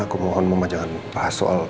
aku mohon mama jangan bahas soal